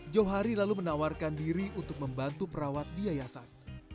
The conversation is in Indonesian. jauhari lalu menawarkan diri untuk membantu perawat di yayasan